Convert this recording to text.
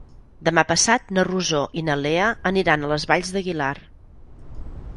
Demà passat na Rosó i na Lea aniran a les Valls d'Aguilar.